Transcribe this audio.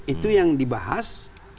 itu yang dibahas